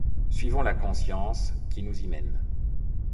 Suivons la conscience qui nous y mène.